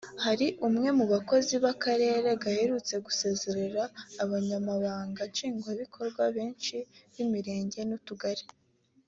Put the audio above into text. Hari umwe mu bakozi b’akarere gaherutse gusezerera abanyamabanga Nshingwabikorwa benshi b’imirenge n’utugari